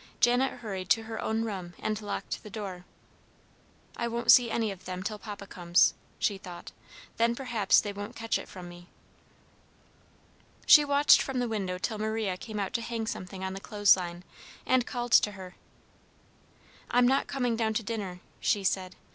Janet hurried to her own room, and locked the door. "I won't see any of them till Papa comes," she thought. "Then perhaps they won't catch it from me." She watched from the window till Maria came out to hang something on the clothesline, and called to her. "I'm not coming down to dinner," she said.